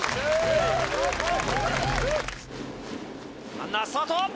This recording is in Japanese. ランナースタート！